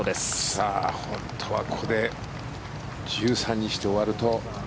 さあ、本当はここで１３にして終わると。